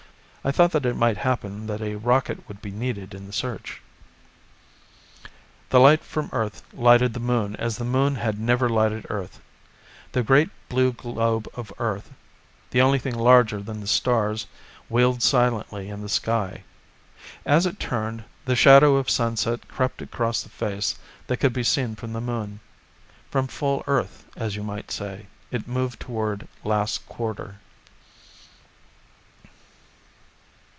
"I thought that it might happen that a rocket would be needed in the search." The light from Earth lighted the Moon as the Moon had never lighted Earth. The great blue globe of Earth, the only thing larger than the stars, wheeled silently in the sky. As it turned, the shadow of sunset crept across the face that could be seen from the Moon. From full Earth, as you might say, it moved toward last quarter.